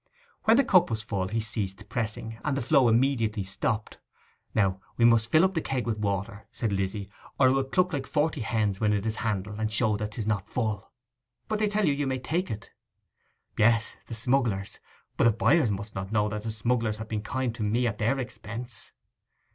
When the cup was full he ceased pressing, and the flow immediately stopped. 'Now we must fill up the keg with water,' said Lizzy, 'or it will cluck like forty hens when it is handled, and show that 'tis not full.' 'But they tell you you may take it?' 'Yes, the smugglers: but the buyers must not know that the smugglers have been kind to me at their expense.